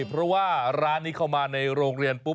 เพราะว่าร้านนี้เข้ามาในโรงเรียนปุ๊บ